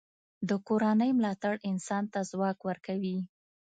د کورنۍ ملاتړ انسان ته ځواک ورکوي.